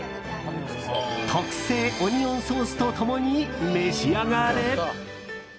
特製オニオンソースと共に召し上がれ。